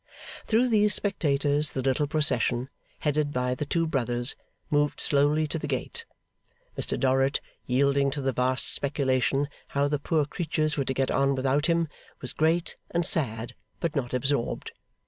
Through these spectators the little procession, headed by the two brothers, moved slowly to the gate. Mr Dorrit, yielding to the vast speculation how the poor creatures were to get on without him, was great, and sad, but not absorbed.